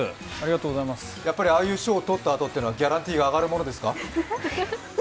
ああいう賞をとったあとはギャランティーは変わるものですか？